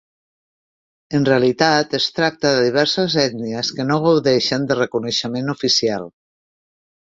En realitat, es tracta de diverses ètnies que no gaudeixen de reconeixement oficial.